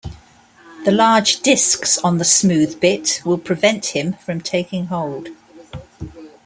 The large discs on the smooth bit will prevent him from taking hold.